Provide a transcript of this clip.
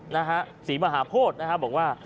นะฮะศรีมหาโพธินะฮะบอกว่า